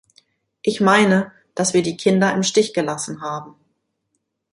Ich meine, dass wir die Kinder im Stich gelassen haben.